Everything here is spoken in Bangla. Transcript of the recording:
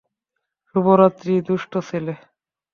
শুভ রাত্রি, দুষ্টু ছেলে।